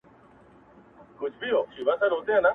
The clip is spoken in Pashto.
په دې مالت کي ټنګ ټکور وو اوس به وي او کنه،